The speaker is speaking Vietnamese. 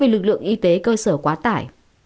lực lượng y tế cơ sở quá tải